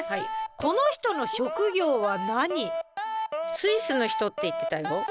スイスの人って言ってたよ。